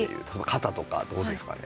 肩とかどうですかね？